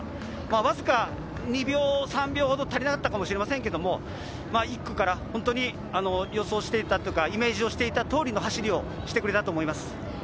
わずか２秒３秒ほど足りなかったかもしれませんが、１区から本当に予想していた、イメージしていた通りの走りをしてくれました。